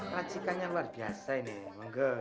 racikanya luar biasa ini bongo